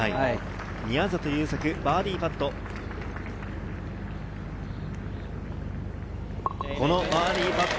宮里優作、バーディーパット。